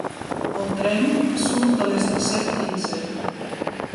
El tren surt a les disset quinze.